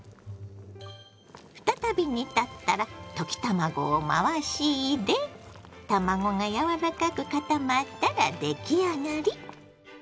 再び煮立ったら溶き卵を回し入れ卵が柔らかく固まったら出来上がり！